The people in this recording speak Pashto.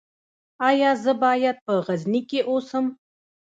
ایا زه باید په غزني کې اوسم؟